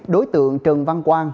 đối tượng trần văn quang